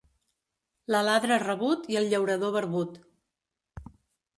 L'aladre rabut i el llaurador barbut.